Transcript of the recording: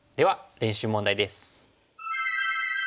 練習問題です。